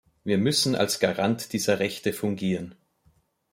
Wir müssen als Garant dieser Rechte fungieren.